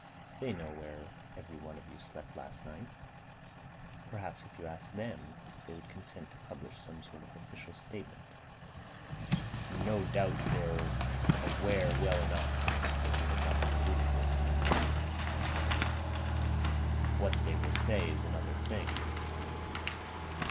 They know where every one of you slept last night. Perhaps if you asked them they would consent to publish some sort of official statement." "No doubt they are aware well enough that we had nothing to do with this," mumbled Ossipon bitterly. "What they will say is another thing."